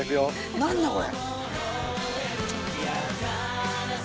何だこれ。